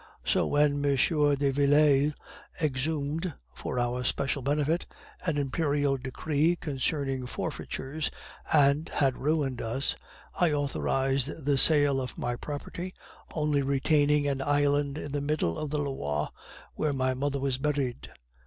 So when M. de Villele exhumed, for our special benefit, an imperial decree concerning forfeitures, and had ruined us, I authorized the sale of my property, only retaining an island in the middle of the Loire where my mother was buried.